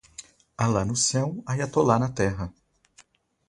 Alá no céu, Aiatolá na Terra